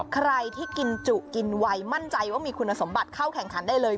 ใครที่กินจุกินไวมั่นใจว่ามีคุณสมบัติเข้าแข่งขันได้เลย